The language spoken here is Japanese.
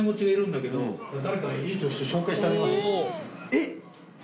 えっ！